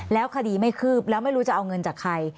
แล้วคดีไม่คืบแล้วไม่รู้จะเอาเงินจากใคร